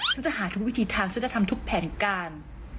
ซึ่งจะหาทุกวิธีทางฉันจะทำทุกแผนการ